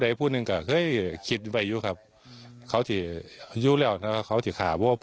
ทั้งมีแต่คนสัวนะครับ